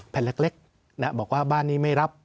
เล็กบอกว่าบ้านนี้ไม่รับ